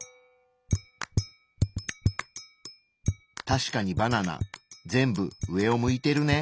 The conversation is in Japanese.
確かにバナナ全部上を向いてるね。